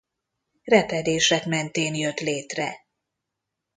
Repedések mentén jött létre.